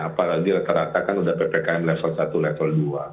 apalagi rata rata kan sudah ppkm level satu level dua